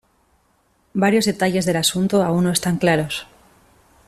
Varios detalles del asunto aún no están claros.